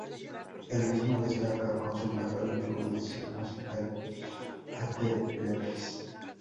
Él mismo destaca como su mayor influencia musical a The Beatles.